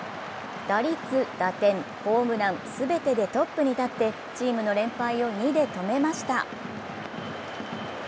打率、打点、ホームラン、全てでトップに立ってチームの連敗を２で止めました。